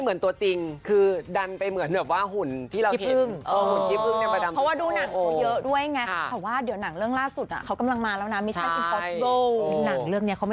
เหมือนตัวจริงตัวจริงคือเหมือนตัวปลอบ